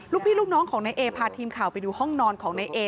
พี่ลูกน้องของนายเอพาทีมข่าวไปดูห้องนอนของนายเอ